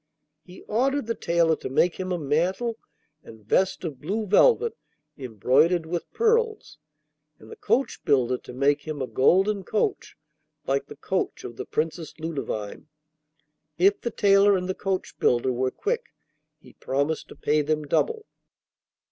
He ordered the tailor to make him a mantle and vest of blue velvet embroidered with pearls, and the coachbuilder to make him a golden coach like the coach of the Princess Ludovine. If the tailor and the coachbuilder were quick he promised to pay them double.